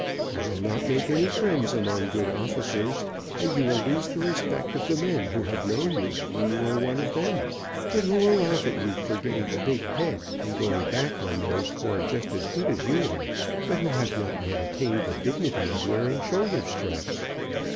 You will not make any friends among good officers, and you will lose the respect of the men who have known you when you were one of them, but who will laugh at you for getting the big head and going back on those who are just as good as you are, but who have not yet attained the dignity of wearing shoulder straps.